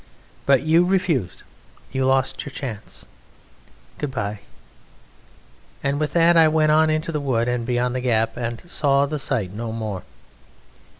But you refused. You lost your chance. Goodbye." And with that I went on into the wood and beyond the gap, and saw the sight no more.